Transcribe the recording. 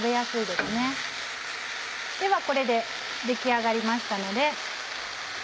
ではこれで出来上がりましたので。